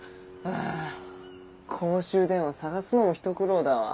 あぁ公衆電話探すのもひと苦労だわ。